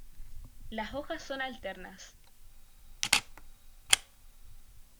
Las hojas son alternas.